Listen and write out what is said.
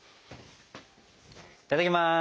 いただきます。